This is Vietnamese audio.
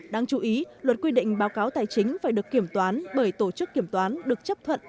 đáng chú ý luật quy định báo cáo tài chính phải được kiểm toán bởi tổ chức kiểm toán được chấp thuận